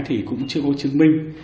thì cũng chưa có chứng minh